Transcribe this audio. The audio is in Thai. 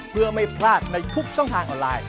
เพื่อไม่พลาดในทุกช่องทางออนไลน์